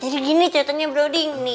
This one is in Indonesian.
jadi gini ceritanya broding